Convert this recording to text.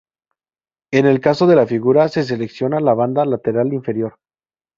En el caso de la figura se selecciona la banda lateral inferior.